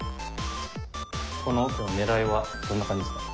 この手の狙いはどんな感じですか？